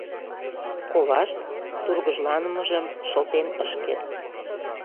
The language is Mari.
Ковашт тургыжланымыжым шылтен ыш керт: